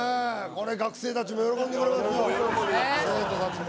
これ学生達も喜んでくれますよ